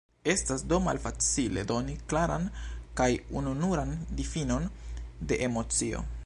Estas do malfacile doni klaran kaj ununuran difinon de emocio.